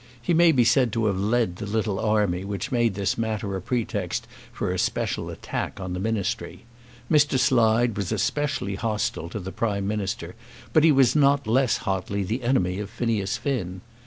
He may be said to have led the little army which made this matter a pretext for a special attack upon the Ministry. Mr. Slide was especially hostile to the Prime Minister, but he was not less hotly the enemy of Phineas Finn.